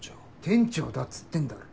店長だっつってんだろ。